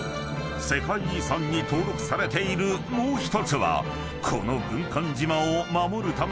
世界遺産に登録されているもう１つはこの］